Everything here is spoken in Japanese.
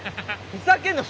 ふざけんなよ！